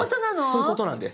そういうことなんです。